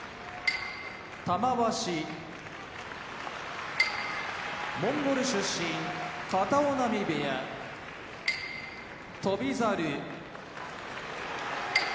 玉鷲モンゴル出身片男波部屋翔猿東京都出身